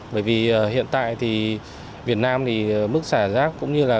bởi vì hiện tại thì việt nam thì mức xả rác cũng như là